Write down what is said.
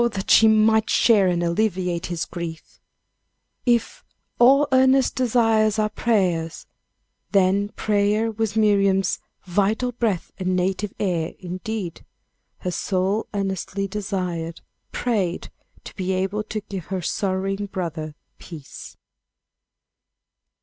that she might share and alleviate his griefs. If "all earnest desires are prayers," then prayer was Miriam's "vital breath and native air" indeed; her soul earnestly desired, prayed, to be able to give her sorrowing brother peace.